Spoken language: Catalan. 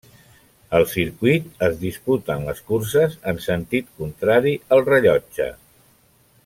Al circuit es disputen les curses en sentit contrari al rellotge.